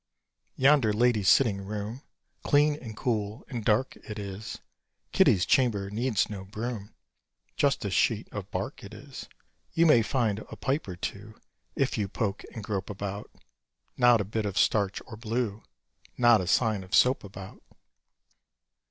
Yonder lady's sitting room Clean and cool and dark it is: Kitty's chamber needs no broom Just a sheet of bark it is. You may find a pipe or two If you poke and grope about: Not a bit of starch or blue Not a sign of soap about.